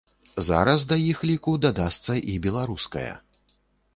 Зараз да іх ліку дадасца і беларуская.